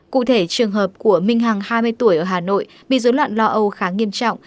cụ thể trường hợp của minh hằng hai mươi tuổi ở hà nội bị dối loạn lo âu khá nghiêm trọng